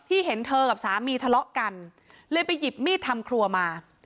เห็นเธอกับสามีทะเลาะกันเลยไปหยิบมีดทำครัวมา